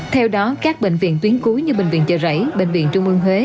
theo đó các bệnh viện tuyến cuối như bệnh viện chợ rẫy bệnh viện trung ương huế